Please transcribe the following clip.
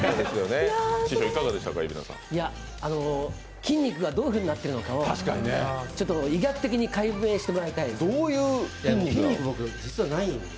筋肉がどういうふうになってるのかを医学的に解明してもらいたいです。